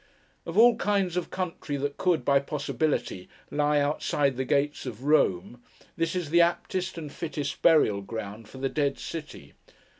Of all kinds of country that could, by possibility, lie outside the gates of Rome, this is the aptest and fittest burial ground for the Dead City.